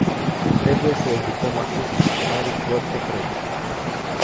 Trebuie să evităm acest scenariu cu orice preț.